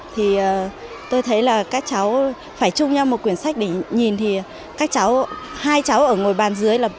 thì tôi thấy là các cháu phải chung nhau một quyển sách để nhìn thì các cháu hai cháu ở ngồi bàn dưới là